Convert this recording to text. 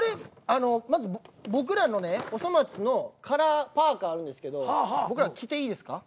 まず僕らの『おそ松』のカラーパーカあるんですけど僕ら着ていいですか？